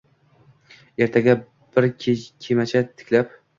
ertaga bir kemacha tiklab